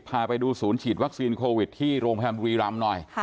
พาไปดูศูนย์ฉีดวัคซีนโควิดที่โรงพยาบาลบุรีรำหน่อย